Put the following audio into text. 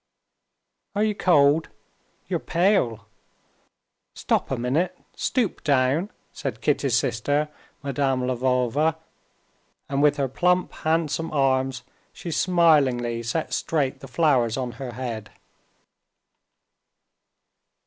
"Are you cold? You're pale. Stop a minute, stoop down," said Kitty's sister, Madame Lvova, and with her plump, handsome arms she smilingly set straight the flowers on her head.